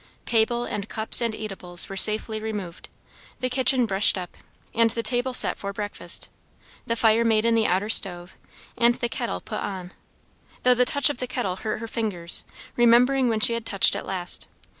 Table and cups and eatables were safely removed; the kitchen brushed up, and the table set for breakfast: the fire made in the outer stove, and the kettle put on; though the touch of the kettle hurt her fingers, remembering when she had touched it last.